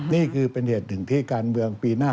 นี่คือเป็นเหตุหนึ่งที่การเมืองปีหน้า